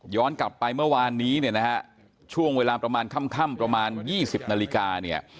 กลับไปเมื่อวานนี้เนี่ยนะฮะช่วงเวลาประมาณค่ำประมาณ๒๐นาฬิกาเนี่ย